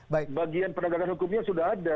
bagian penegakan hukumnya sudah ada